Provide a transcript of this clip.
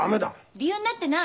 理由になってない！